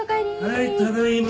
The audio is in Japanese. はいただいま。